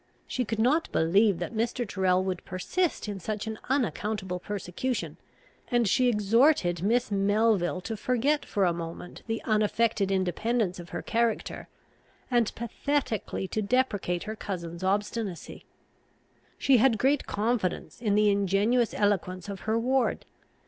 She could not believe that Mr. Tyrrel would persist in such an unaccountable persecution, and she exhorted Miss Melville to forget for a moment the unaffected independence of her character, and pathetically to deprecate her cousin's obstinacy. She had great confidence in the ingenuous eloquence of her ward.